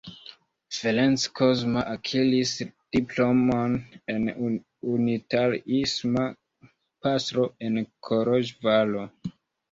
Ferenc Kozma akiris diplomon de unitariisma pastro en Koloĵvaro.